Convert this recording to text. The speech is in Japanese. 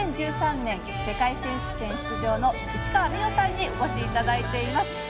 ２０１３年世界選手権出場の市川美余さんにお越しいただいています。